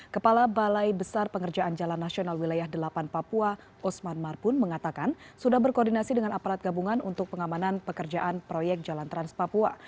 kepala balai besar pengerjaan jalan nasional wilayah delapan papua osman marpun mengatakan sudah berkoordinasi dengan aparat gabungan untuk pengamanan pekerjaan proyek jalan trans papua